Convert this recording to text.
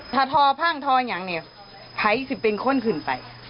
ถ้าทอพั่งทออย่างนี้ไผ่สิบเป็นคนขึ้นไป